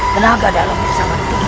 tenaga dalamnya sangat tinggi